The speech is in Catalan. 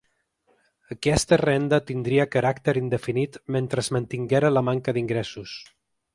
Aquesta renda tindria caràcter indefinit mentre es mantinguera la manca d’ingressos.